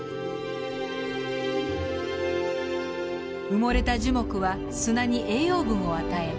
埋もれた樹木は砂に栄養分を与え